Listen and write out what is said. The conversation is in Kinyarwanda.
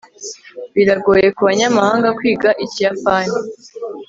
biragoye kubanyamahanga kwiga ikiyapani